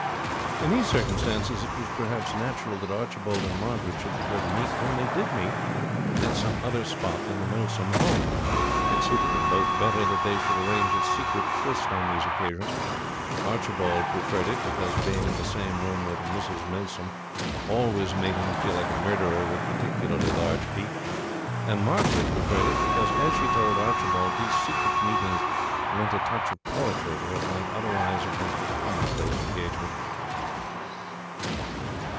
In these circumstances it was perhaps natural that Archibald and Margaret should prefer to meet, when they did meet, at some other spot than the Milsom home. It suited them both better that they should arrange a secret tryst on these occasions. Archibald preferred it because being in the same room as Mrs Milsom always made him feel like a murderer with particularly large feet; and Margaret preferred it because, as she told Archibald, these secret meetings lent a touch of poetry to what might otherwise have been a commonplace engagement.